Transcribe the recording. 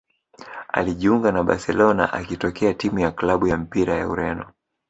Alijiunga na Barcelona akitokea timu ya klabu ya mpira ya Ureno